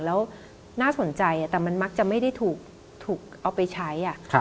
แล้วน่าสนใจแต่มันมักจะไม่ได้ถูกเอาไปใช้